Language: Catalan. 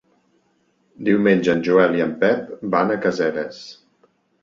Diumenge en Joel i en Pep van a Caseres.